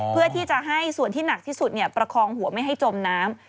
เพื่อที่จะให้ส่วนที่หนักที่สุดประคองหัวไม่ให้จมน้ำ